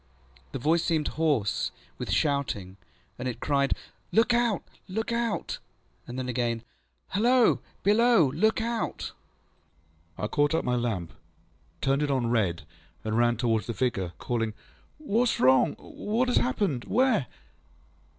The voice seemed hoarse with shouting, and it cried, ŌĆśLook out! Look out! ŌĆÖ And then again, ŌĆśHalloa! Below there! Look out! ŌĆÖ I caught up my lamp, turned it on red, and ran towards the figure, calling, ŌĆśWhatŌĆÖs wrong? What has happened? Where?